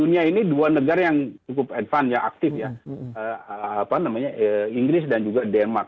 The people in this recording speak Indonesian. inggris dan juga denmark